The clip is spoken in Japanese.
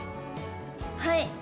はい！